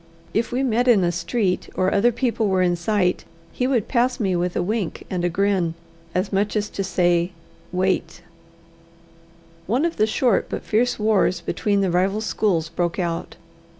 If we met in a street, or other people were in sight, he would pass me with a wink and a grin, as much as to say Wait. One of the short but fierce wars between the rival schools broke out.